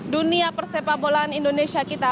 dunia persepak bolaan indonesia kita